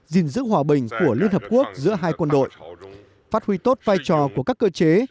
gìn giữ hòa bình của liên hợp quốc giữa hai quân đội phát huy tốt vai trò của các cơ chế